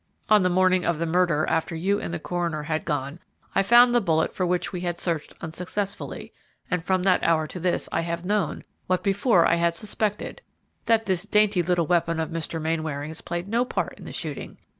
On the morning of the murder, after you and the coroner had gone, I found the bullet for which we had searched unsuccessfully, and from that hour to this I have known, what before I had suspected, that this dainty little weapon of Mr. Mainwaring's played no part in the shooting.